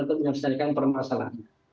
itu menjadikan permasalah